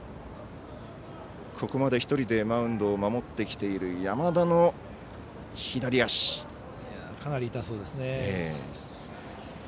ここまで１人でマウンドを守ってきているかなり痛そうですね。